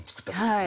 はい。